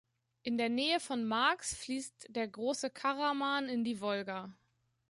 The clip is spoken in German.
In der Nähe von Marx fließt der Große Karaman in die Wolga.